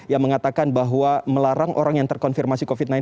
yang mengatakan bahwa melarang orang yang terkonfirmasi covid sembilan belas